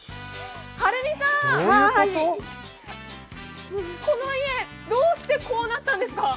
晴美さん、この家どうしてこうなったんですか？